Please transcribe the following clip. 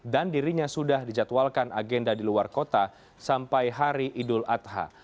dan dirinya sudah dijadwalkan agenda di luar kota sampai hari idul adha